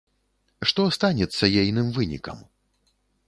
Што станецца ейным вынікам?